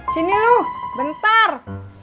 sini lu bentar